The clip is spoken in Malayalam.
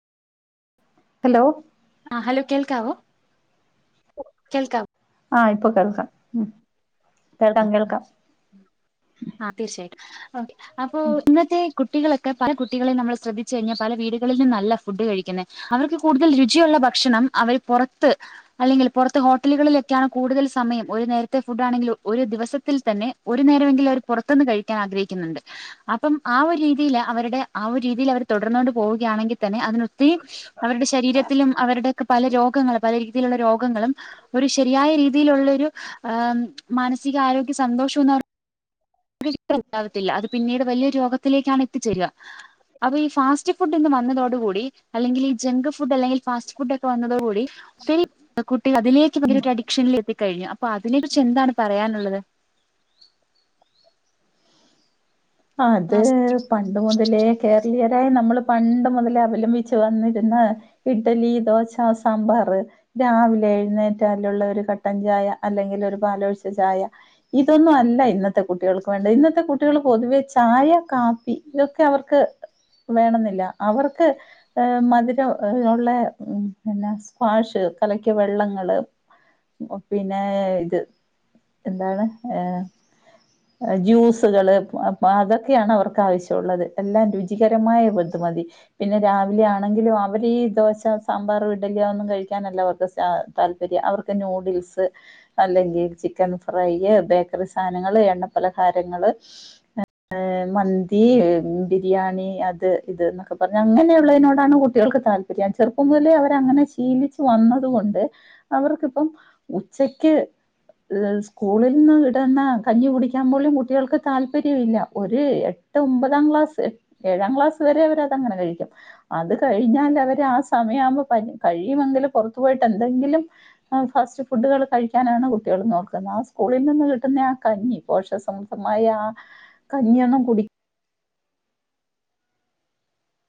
ഹലോ ആഹ് ഹലോ കേൾക്കാവോ കേൾക്കാം ആഹ് ഇപ്പൊ കേൾക്കാം ഉം കേൾക്കാം കേൾക്കാം അത് ശെരി ഓക്കേ അപ്പൊ ഇന്നത്തെ കുട്ടികളൊക്കെ പല കുട്ടികളെയും നമ്മള് ശ്രദ്ധിച്ച് കഴിഞ്ഞാ പല വീട്കളിൽ നിന്നല്ല ഫുഡ്കഴിക്കുന്നേ അവർക്ക് കൂടുതല് രുചിയൊള്ള ബക്ഷണം അവര് പൊറത്ത് അല്ലെങ്കി പൊറത്തെ ഹോട്ടലുകളിലൊക്കെ ആണ് കൂടുതല് സമയം ഒര് നേരത്തെ ഫുഡ് ആണെങ്കിലും ഒര് ദിവസത്തിൽ തന്നെ ഒര് നേരം എങ്കിലും അവര് പൊറത്ത്ന്ന്‌ കഴി ക്കാൻ ആഗ്രഹിക്ക്ന്നൊണ്ട് അപ്പം ആഹ് ഒര് രീതിയില് അവരു ടെ ആഹ് ഒര് രീതില് അവര് തൊടർന്നോണ്ട് പോവുകയാണെങ്കി തന്നെ അതിന് ഒത്തിരി അവരുടെ ശ രീരത്തിലും അവര്ടെക്കെ പല രോഗങ്ങളും പല രീതിയിലൊള്ള രോഗങ്ങളും ഒര് ശെരിയായ രീതിയില് ഒള്ളൊരു ആഹ് മാനസിക ആരോഗ്യ സന്തോഷം എന്ന് ന [inaudible] ഒണ്ടാവല്ല അത് പിന്നീട് വല്ല്യൊര് രോഗത്തിലേക്കാണ് എത്തിച്ചേരാ അത് ഈ ഫാസ്റ്റ് ഫുഡ് ഇന്ന് വന്നതോട് കൂടി അല്ലെങ്കി ഈ ജെങ്ക് ഫുഡ് അല്ലെങ്കി ഫാസ്റ്റ് ഫുഡ് ഒക്കെ വന്നോതോട് കൂടി [unintelligible] കുട്ടി അതിലേക്ക് ഉം വലിയഒര് അഡിക്ഷനിൽ എത്തി കഴിഞ്ഞ് അപ്പൊ അതിനെ കുറിച്ച് എന്താണ് പറയാനുള്ളത് അത് ഫാസ്റ്റ് പണ്ട് മുതലേ കേരളീയരായ നമ്മള് പണ്ട് മൊതലേ അവലംമ്പിച്ച് വന്നിര്ന്ന ഇഡ്ഡലി ദോശാ സാമ്പാറ് രാവിലെ എഴ്ന്നേറ്റാല് ഉള്ള ഒര് കട്ടൻ ചായ അല്ലെങ്കിൽ ഒര് പാലൊ ഴിച്ച ചായ ഇതൊന്നും അല്ല ഇന്നത്തെ കുട്ടികൾക്ക് വേണ്ടത് ഇന്നത്തെ കുട്ടികള് പൊതുവേ ചായ, കാപ്പി ഇതൊക്കെ അവർക്ക് വേണന്നില്ല അവർക്ക് യെ മധുരൊള്ള പിന്നെ സ്ക്വാഷ് കലക്കിയാ വെള്ളങ്ങള് പിന്നെ ഇത് എന്താണ് യെ ജ്യൂസുകള് അപ്പേ അതൊക്കെയാണ് അവർക്ക് ആവിശ്യേള്ളത് എല്ലാം രുചികരമായ ഇത് മതി പിന്നെ രാവിലെ ആണെങ്കിലും അവര് ഈ ദോശ, സാമ്പാറും ഇഡലിയാ ഒന്നു കയിക്കാനല്ല അവർക്ക് [unintelligible] താല്പര്യം അവർക്ക് ന്യൂഡിൽസ് അല്ലങ്കി ചിക്കൻ ഫ്രൈ, ബേക്കറി സാനങ്ങള് എണ്ണാ പലഹാരങ്ങള് മന്തി, ബിരിയാണി അത് ഇത് എന്നൊക്കെ പറഞ്ഞ് അങ്ങനെയുള്ളാ അതിനോടാണ് കുട്ടികൾ ക്ക് താല് ചെറുപ്പം മൊതലേ അവര് അങ്ങനെ ശീലിച്ച് വന്നതൊണ്ട് അവർക്ക് ഇപ്പം ഉച്ചക്ക് സ്കൂളിന്ന് കിട്ടുന്ന കഞ്ഞി കുടി ക്ക്യാൻ പോലും കുട്ടിൾക്ക് താല്പര്യം ഇല്ലാ ഒര് എട്ട്, ഒമ്പതാം ക്ലാസ് ഏഴാം ക്ലാസ് വെരെ അവര് അത് അങ്ങനെ കയിക്കും അത് കഴിഞ്ഞാല് അവര് ആഹ് സമയം ആവ്മ്പോ പ കയിയുമെങ്കിലും പൊറത്ത് പോയിട്ട് എന്തേങ്കിലും ഫാസ്റ്റ് ഫുഡ്കള് കയിക്കാനാണോ കുട്ടികള് നോക്ക്ന്നാത് ആഹ് സ്കൂളി നിന്ന് കിട്ട്ന്നാ ആഹ് കഞ്ഞി പോക്ഷസമൃദ്ധമായ ആഹ് കഞ്ഞി യൊ ന്നും കുടി